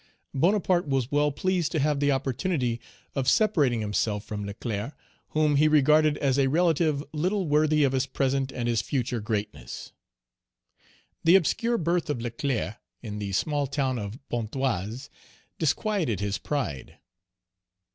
Bonaparte was well pleased to have the opportunity of separating himself from Leclerc, whom he regarded as a relative little worthy of his present and his future greatness. The obscure birth of Leclerc, in the small town of Pontoise, disquieted his pride.